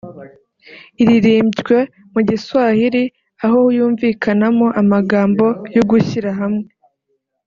Iririmbywe mu Giswahili aho yumvikanamo amagambo y’ugushyira hamwe